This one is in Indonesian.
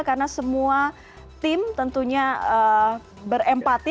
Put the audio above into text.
karena semua tim tentunya berempati